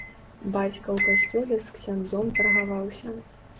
Бацька ў касцёле з ксяндзом таргаваўся.